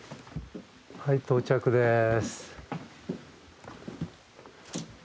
はい到着です。